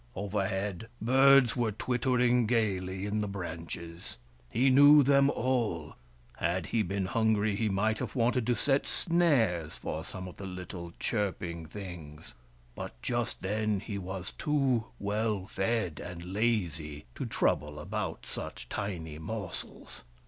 Overhead, birds were twittering gaily in the branches. He knew them all — had he been hungry he might have wanted to set snares for some of the little chirping things, but just then he was too well fed and lazy to trouble about such tiny morsels.